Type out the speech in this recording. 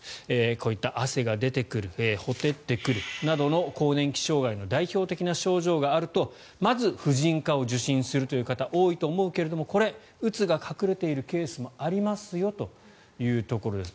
こういった汗が出てくるほてってくるなどの更年期障害の代表的な症状があるとまず婦人科を受診する方が多いと思うけどうつが隠れているケースもありますよということです。